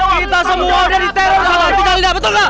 kita semua udah diteror sama hantika linda betul gak